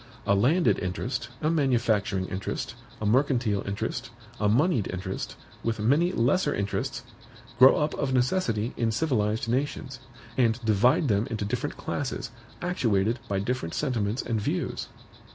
A landed interest, a manufacturing interest, a mercantile interest, a moneyed interest, with many lesser interests, grow up of necessity in civilized nations, and divide them into different classes, actuated by different sentiments and views.